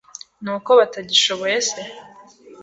Ni uko batagishoboye se?